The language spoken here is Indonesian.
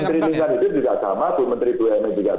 nikki pakai cara menutup pabrik